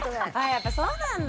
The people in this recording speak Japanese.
やっぱそうなんだ。